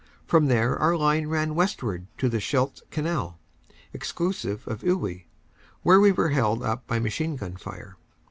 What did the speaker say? From there our line ran westwards to the Scheldt Canal, exclusive of Iwuy, where we were held up by machine gun fire.